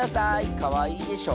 かわいいでしょ。